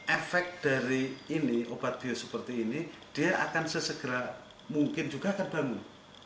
efek dari ini obat bios seperti ini dia akan sesegera mungkin juga terbangun